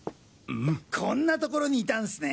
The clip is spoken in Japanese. こんな所にいたんスね！